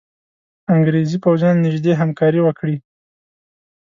انګرېزي پوځیان نیژدې همکاري وکړي.